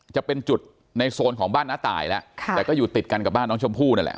จะเป็นจุดในโซนของบ้านน้าตายแล้วค่ะแต่ก็อยู่ติดกันกับบ้านน้องชมพู่นั่นแหละ